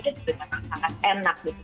dan itu memang sangat enak gitu